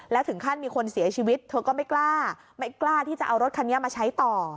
แล้วถึงขั้นมีคนเสียชีวิตเธอก็ไม่กล้าไม่กล้าที่จะเอารถคันนี้มาใช้ต่อ